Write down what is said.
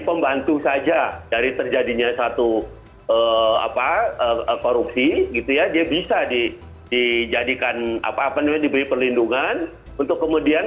pembantu saja dari terjadinya satu korupsi dia bisa diberi perlindungan untuk kemudian